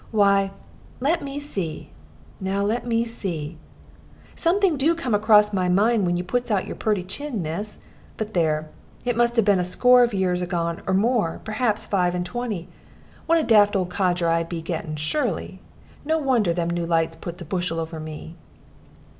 "Why, let me see, now, let me see. Something do come across my mind when you puts out your purty chin, miss; but there, it must have been a score of years agone, or more perhaps five and twenty. What a daft old codger I be getting, surely! No wonder them new lights puts a bushel over me."